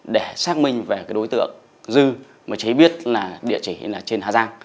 để xác minh về đối tượng dư mà cháy biết địa chỉ trên hà giang